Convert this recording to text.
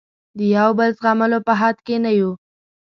د یو بل زغملو په حد کې نه یو.